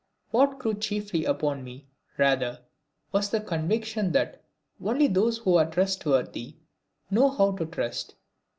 What grew chiefly upon me, rather, was the conviction that only those who are trustworthy know how to trust.